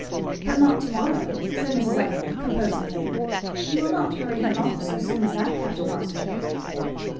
"But not to morrow?" said Mrs. Evelyn composedly. "You will not hurry her off so soon as that, Capt. Rossitur?"